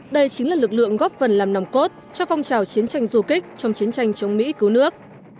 đây chính là lực lượng góp phần làm nòng cốt cho phong trào chiến tranh du kích trong chiến tranh chống mỹ cứu nước